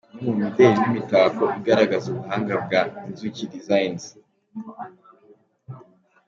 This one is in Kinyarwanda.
Imwe mu mideli n’imitako igaragaza ubuhanga bwa Inzuki Designs.